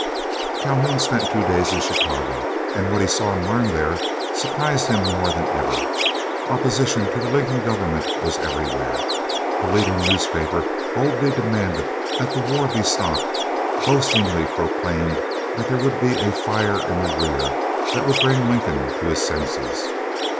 Calhoun spent two days in Chicago, and what he saw and learned there surprised him more than ever. Opposition to the Lincoln government was everywhere. The leading newspaper boldly demanded that the war be stopped, boastingly proclaimed that there would soon be "a fire in the rear" that would bring Lincoln to his senses.